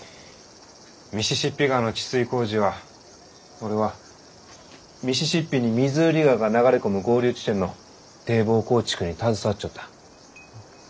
ミシシッピ川の治水工事は俺はミシシッピにミズーリ川が流れ込む合流地点の堤防構築に携わっちょった。